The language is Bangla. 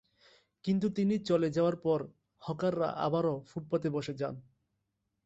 কিন্তু তিনি চলে যাওয়ার পর হকাররা আবারও ফুটপাতে বসে যান।